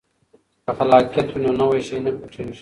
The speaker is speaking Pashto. که خلاقیت وي نو نوی شی نه پټیږي.